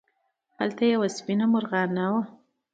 هلته یوه سپېنه مرغانه وه.